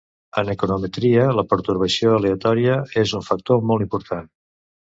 En econometria, la pertorbació aleatòria és un factor molt important.